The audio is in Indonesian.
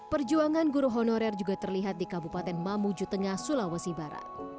perjuangan guru honorer juga terlihat di kabupaten mamuju tengah sulawesi barat